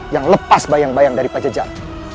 yang lepas bayang bayang dari pajajar